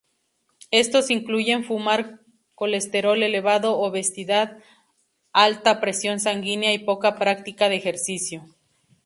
Estos incluyen fumar, colesterol elevado, obesidad, alta presión sanguínea, y poca práctica de ejercicio.